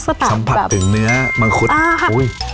สัมผัสถึงเนื้อมังคุช